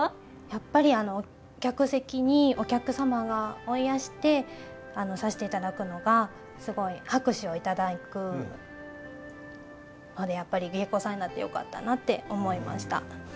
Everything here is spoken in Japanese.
やっぱり客席にお客様がおいやしてさしていただくのがすごい拍手を頂くのでやっぱり芸妓さんになってよかったなって思いました。